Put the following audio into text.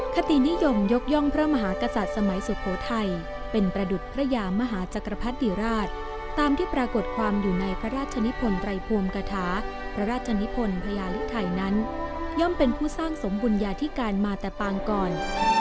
คตินิยมยกย่องพระมหากษัตริย์สมัยสุโขทัยเป็นประดุษพระยามหาจักรพรรดิราชตามที่ปรากฏความอยู่ในพระราชนิพลไตรภูมิกฐาพระราชนิพลพญาลิไทยนั้นย่อมเป็นผู้สร้างสมบุญญาธิการมาแต่ปางก่อน